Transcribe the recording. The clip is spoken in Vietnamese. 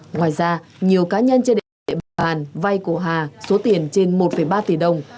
ngoài ra nhiều cá nhân trên địa bàn vay của hà số tiền trên một ba tỷ đồng